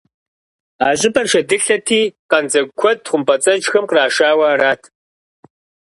А щӏыпӏэр шэдылъэти, къандзэгу куэд хъумпӀэцӀэджхэм кърашауэ арат.